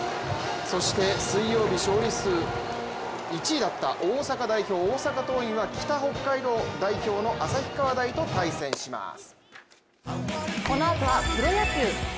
そして水曜日、勝利数１位だった大阪代表、大阪桐蔭は北北海道代表の旭川大と対戦します。